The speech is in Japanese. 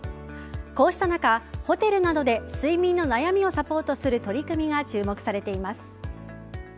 こうした中、ホテルなどで睡眠の悩みをサポートする取り組みが注目されています。